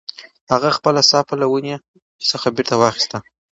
هغه خپله صافه له ونې څخه بېرته واخیسته.